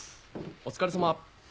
お疲れさま。